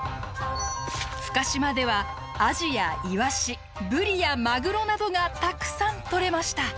深島ではアジやイワシブリやマグロなどがたくさん取れました。